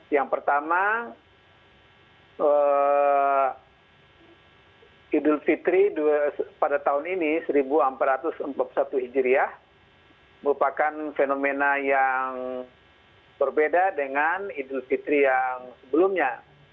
yang pertama idul fitri pada tahun ini seribu empat ratus empat puluh satu hijriah merupakan fenomena yang berbeda dengan idul fitri yang sebelumnya